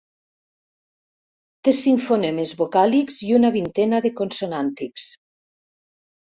Té cinc fonemes vocàlics i una vintena de consonàntics.